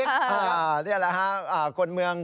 คะข้าเนี่ยล่ะคนเมือง